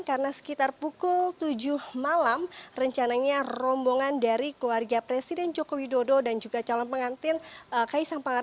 karena sekitar pukul tujuh malam rencananya rombongan dari keluarga presiden jokowi dodo dan juga calon pengantin kaisang panger